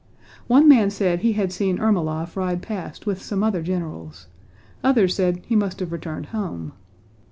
One man said he had seen Ermólov ride past with some other generals, others said he must have returned home.